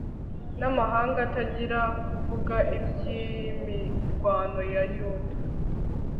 n'amahanga atangira kuvuga iby'imirwano ya yuda